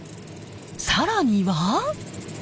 更には。